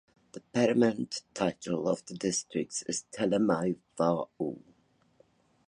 The paramount title of the district is Talamaivao.